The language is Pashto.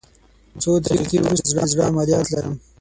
څو دقیقې وروسته د زړه عملیات لرم